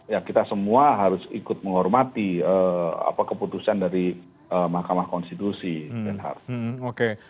ya kita semua harus ikut menghormati keputusan dari mahkamah konstitusi